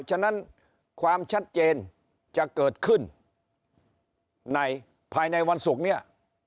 ฉะนั้นความชัดเจนจะเกิดขึ้นในภายในวันศุกร์เนี่ย